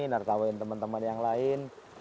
narkawin teman teman yang lain